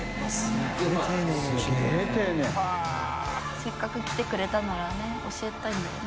せっかく来てくれたならね教えたいんだね。